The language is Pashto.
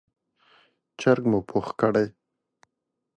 چرګ مو پوخ کړی،